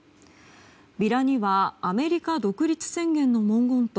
ビラにはアメリカ独立宣言の文言と